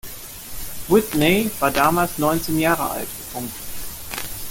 Whitney war damals neunzehn Jahre alt.